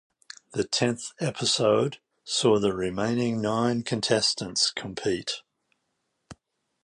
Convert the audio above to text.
The tenth episode saw the remaining nine contestants compete.